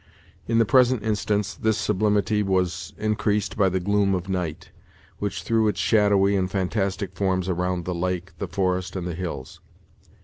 In the present instance, this sublimity was increased by the gloom of night, which threw its shadowy and fantastic forms around the lake, the forest, and the hills.